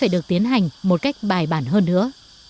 được tiến hành một cách bài bản hơn nữa